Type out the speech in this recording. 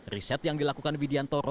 riset yang dilakukan widiantoro